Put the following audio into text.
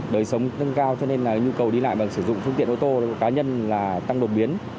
đời sống tăng cao cho nên là nhu cầu đi lại bằng sử dụng phương tiện ô tô cá nhân là tăng đột biến